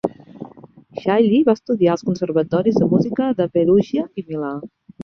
Chailly va estudiar als conservatoris de música de Perugia i Milà.